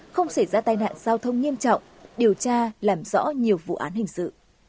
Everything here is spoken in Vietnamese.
không xảy ra tai nạn giao thông nghiêm trọng điều tra làm rõ nhiều vụ án hình sự